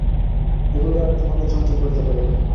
এগুলি আর তোমাকে চঞ্চল করিতে পারিবে না।